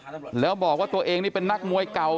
แล้วบอกว่าตัวเองนี่เป็นนักมวยเก่า